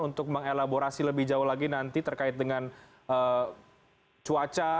untuk mengelaborasi lebih jauh lagi nanti terkait dengan cuaca